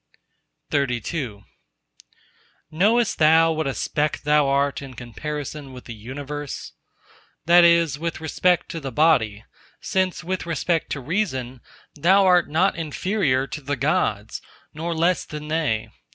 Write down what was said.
XXXIII Knowest thou what a speck thou art in comparison with the Universe?— That is, with respect to the body; since with respect to Reason, thou art not inferior to the Gods, nor less than they.